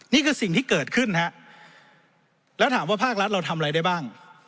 นี่คือสิ่งที่เกิดขึ้นฮะแล้วถามว่าภาครัฐเราทำอะไรได้บ้าง